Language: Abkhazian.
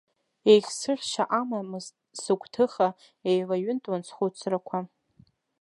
Еихсыӷьшьа амамызт сыгәҭыха, еилаҩынтуан схәыцрақәа.